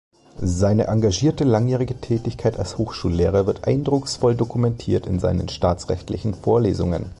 Seine engagierte langjährige Tätigkeit als Hochschullehrer wird eindrucksvoll dokumentiert in seinen Staatsrechtlichen Vorlesungen.